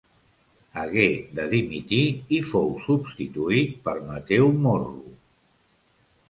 Hagué de dimitir i fou substituït per Mateu Morro.